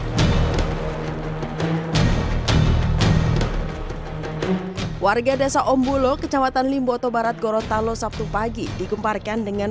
hai warga desa ombulo kecamatan limbo otobarat gorontalo sabtu pagi digumparkan dengan